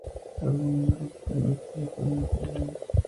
Algunos de los premios que le fueron otorgados.